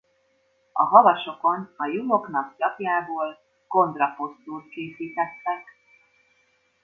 A havasokon a juhoknak gyapjából condra posztót készítettek.